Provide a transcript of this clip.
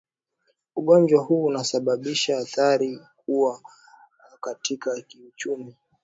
ugonjwa huu unasababisha athari kuwa katika kiuchumi